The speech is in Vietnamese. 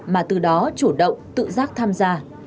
mà từ đó chủ động tự giác tham gia